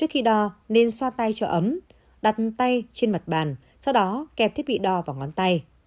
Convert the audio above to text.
khi đo nên xoa tay cho ấm đặt tay trên mặt bàn sau đó kẹp thiết bị đo vào ngón tay